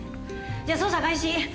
じゃあ捜査開始。